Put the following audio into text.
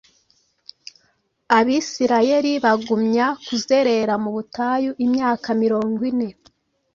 AbIsirayeli bagumya kuzerera mu butayu imyaka mirongo ine.